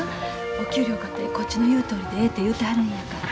お給料かてこっちの言うとおりでええて言うてはるんやから。